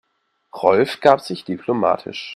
Rolf gab sich diplomatisch.